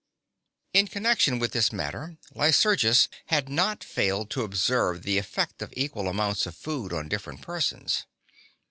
In connection with this matter, Lycurgus had not failed to observe the effect of equal amounts of food on different persons.